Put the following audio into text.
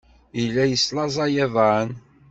Yella yeslaẓay iḍan.